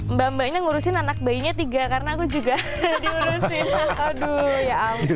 mbak mbaknya ngurusin anak bayinya tiga karena aku juga diurusin